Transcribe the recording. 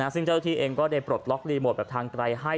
ซึ่งเจ้าที่เองก็ได้ปลดล็อกรีโมทแบบทางไกลให้